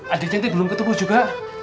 adik cantik belum ketemu juga